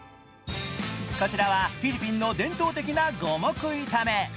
こちらはフィリピンの伝統的な五目炒め。